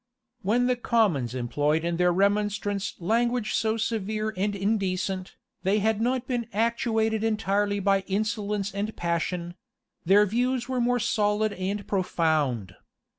When the commons employed in their remonstrance language so severe and indecent, they had not been actuated entirely by insolence and passion; their views were more solid and profound.